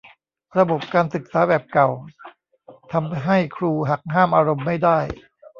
ระบบการศึกษาแบบเก่าทำให้ครูหักห้ามอารมณ์ไม่ได้